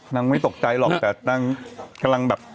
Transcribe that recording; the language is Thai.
ไม่ตกใจหรอกแต่นางกำลังแบบ